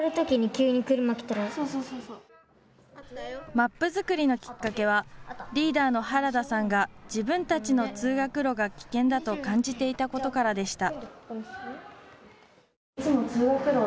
マップ作りのきっかけはリーダーの原田さんが自分たちの通学路が危険だと感じていたことからでした。